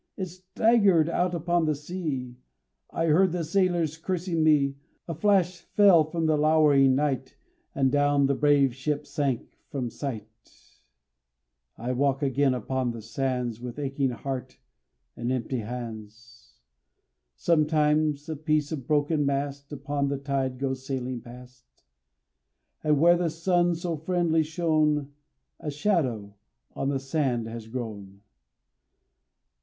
It staggered out upon the sea I heard the sailors cursing me; A flash fell from the lowering night, And down the brave ship sank from sight. I walk again upon the sands With aching heart and empty hands. Sometimes a piece of broken mast Upon the tide goes sailing past; And, where the sun so friendly shone, A shadow on the sand has grown.